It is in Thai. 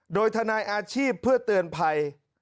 โดยทนายอาชีพเพื่อเตือนภัย